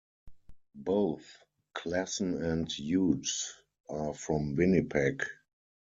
Both Klassen and Hughes are from Winnipeg.